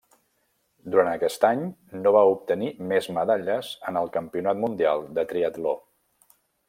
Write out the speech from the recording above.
Durant aquest any, no va obtenir més medalles en el Campionat Mundial de Triatló.